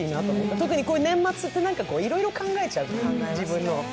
特に年末っていろいろ考えちゃう、自分の。